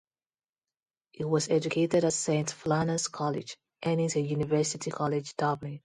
He was educated at Saint Flannan's College, Ennis and University College Dublin.